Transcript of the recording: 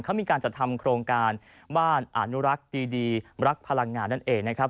เขามีการจัดทำโครงการบ้านอนุรักษ์ดีรักพลังงานนั่นเองนะครับ